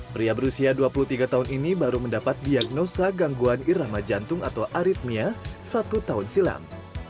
pria berusia dua puluh tiga tahun ini baru mendapat diagnosa gangguan irama jantung atau aritmia satu tahun silam